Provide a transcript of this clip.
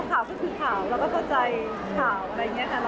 แล้วก็รู้ว่าลูกไม่ได้ทำลูกไม่ได้เป็น